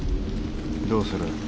どうする？